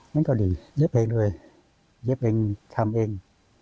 มันก็ดีเย็บเองเลยเย็บเองทำเอง